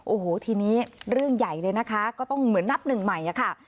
โอ้โหทีนี้เรื่องใหญ่เลยนะคะก็ต้องเหมือนนับหนึ่งใหม่อะค่ะ